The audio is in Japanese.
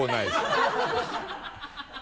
ハハハ